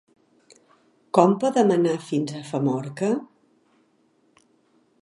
Com podem anar fins a Famorca?